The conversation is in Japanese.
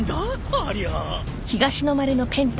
ありゃあ！